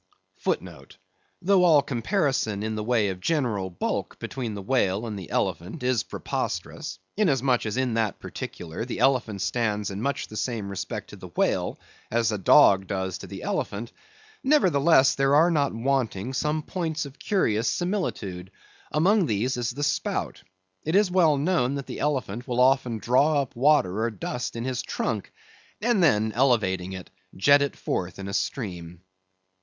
* *Though all comparison in the way of general bulk between the whale and the elephant is preposterous, inasmuch as in that particular the elephant stands in much the same respect to the whale that a dog does to the elephant; nevertheless, there are not wanting some points of curious similitude; among these is the spout. It is well known that the elephant will often draw up water or dust in his trunk, and then elevating it, jet it forth in a stream.